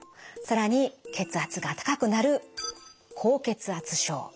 更に血圧が高くなる高血圧症。